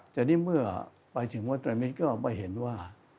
แต่นี่เมื่อไปถึงวัดตรมิตรก็มาเห็นว่า